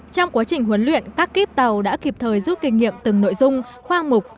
trong quá trình huấn luyện các kiếp tàu đã kịp thời rút kinh nghiệm từng nội dung khoang mục